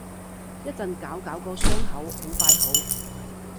一陣搞搞個傷口，好快好